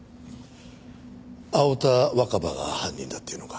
青田若葉が犯人だっていうのか？